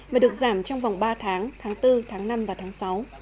mà được giảm trong vòng ba tháng tháng bốn tháng năm và tháng sáu